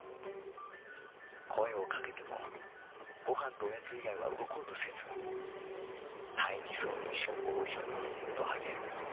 「声をかけてもごはんとおやつ以外は動こうとせず大儀そうにしっぽをひょいとあげる」。